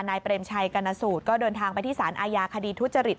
เปรมชัยกรณสูตรก็เดินทางไปที่สารอาญาคดีทุจริต